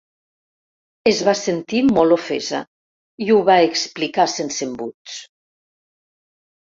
Es va sentir molt ofesa i ho va explicar sense embuts.